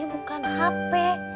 ini bukan hp